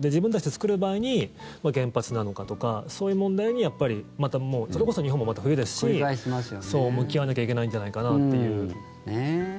自分たちで作る場合に原発なのかとかそういう問題にやっぱりそれこそ日本もまた冬ですし向き合わなきゃいけないんじゃないかなという。